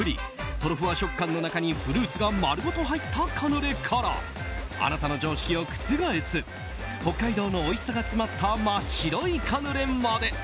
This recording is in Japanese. トロふわ食感の中にフルーツが丸ごと入ったカヌレからあなたの常識を覆す北海道のおいしさが詰まった真っ白いカヌレまで。